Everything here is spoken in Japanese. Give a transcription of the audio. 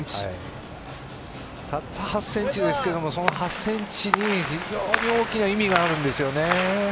たった８ｃｍですけどその８ｃｍに非常に大きな意味があるんですよね。